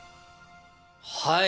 はい。